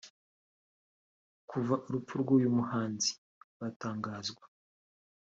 Kuva urupfu rw’uyu muhanzi rwatangazwa